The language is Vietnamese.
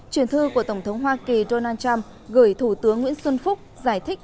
truyền thư của tổng thống hoa kỳ donald trump gửi thủ tướng nguyễn xuân phúc giải thích